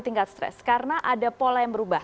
tingkat stres karena ada pola yang berubah